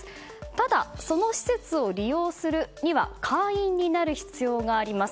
ただ、施設を利用するには会員になる必要があります。